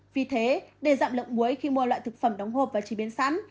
vì thế để giảm lượng muối khi mua loại thực phẩm đóng hộp và chế biến sẵn